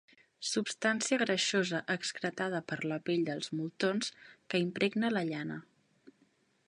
Substància greixosa excretada per la pell dels moltons que impregna la llana.